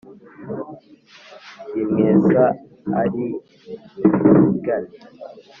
Rimwesa ari impingane